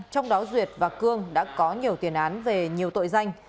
trong đó duyệt và cương đã có nhiều tiền án về nhiều tội danh